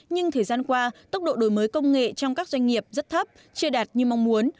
nhưng thời gian qua tốc độ đổi mới công nghệ trong các doanh nghiệp rất thấp chưa đạt như mong muốn